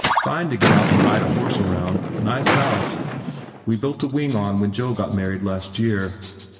Fine to get out and ride a horse round. Nice house. We built a wing on when Joe got married last year."